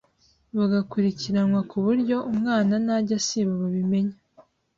bagakurikiranwa kuburyo umwana najya asiba babimenya